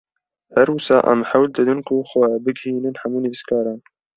Her wisa em hewl didin ku xwe bigihînin hemû nivîskaran